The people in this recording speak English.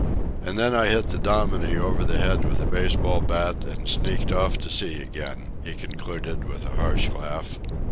"And then I hit the dominie over the head with a baseball bat and sneaked off to sea again," he concluded with a harsh laugh.